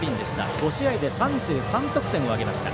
５試合で３３得点を挙げました。